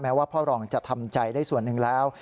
ว่าพ่อรองจะทำใจได้ส่วนหนึ่งแล้ว